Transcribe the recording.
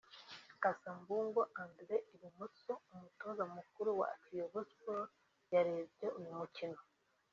Cassa Mbungo Andre (Ibumoso) umutoza mukuru wa Kiyovu Sport yarebye uyu mukino